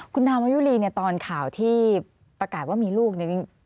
คุณธรรมยุรีเนี่ยตอนข่าวที่ประกาศว่ามีลูกเนี่ย